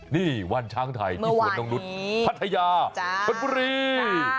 นี่วันช้างไทยที่สวนน้องนุษย์พัทยาชนบุรี